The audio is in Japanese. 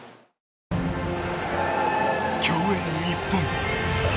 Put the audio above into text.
競泳日本。